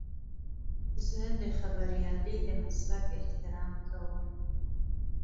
زه د خبریالۍ د مسلک احترام کوم.